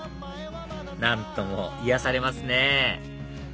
何とも癒やされますねぇ